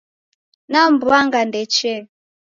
Namw'anga ndechee